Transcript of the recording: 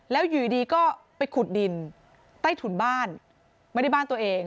แล้วอยู่ดีก็ไปขุดดินใต้ถุนบ้านไม่ได้บ้านตัวเอง